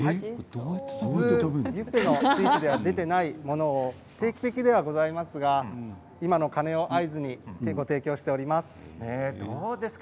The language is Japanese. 普通ビュッフェのスイーツで出ていないもの定期的ではございますが今の鐘の音を合図に提供しております。